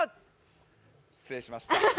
失礼しました。